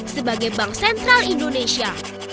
sebagai bank sentral indonesia